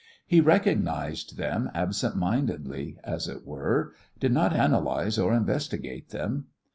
He recognised them absentmindedly, as it were; did not analyse or investigate them.